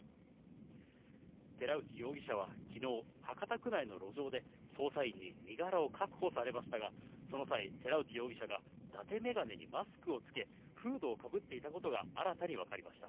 寺内容疑者はきのう、博多区内の路上で、捜査員に身柄を確保されましたが、その際、寺内容疑者がだて眼鏡にマスクを着け、フードをかぶっていたことが新たに分かりました。